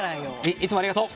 いつもありがとう！